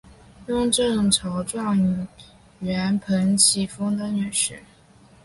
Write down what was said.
雍正朝状元彭启丰的女婿。